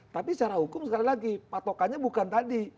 tapi secara hukum sekali lagi patokannya bukan tadi